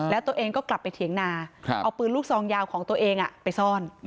แล้วตัวเองก็กลับไปเถียงนาเอาปืนลูกซองยาวของตัวเองไปซ่อน